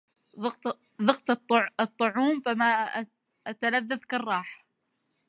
ذقت الطعوم فما التذذت كراحة